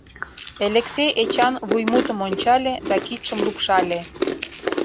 Элексей Эчан вуймутым ончале да кидшым лупшале.